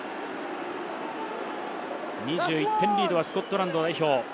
２１点リードはスコットランド代表。